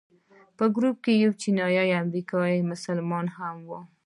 په ګروپ کې یو چینایي امریکایي مسلمان هم و.